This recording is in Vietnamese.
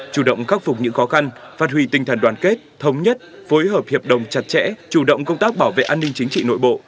chủ động khắc phục những khó khăn phát huy tinh thần đoàn kết thống nhất phối hợp hiệp đồng chặt chẽ chủ động công tác bảo vệ an ninh chính trị nội bộ